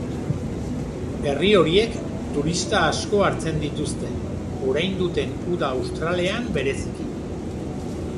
Herri horiek turista asko hartzen dituzte, orain duten uda australean bereziki.